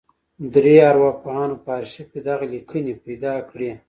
درې ارواپوهانو په ارشيف کې دغه ليکنې پیدا کړې.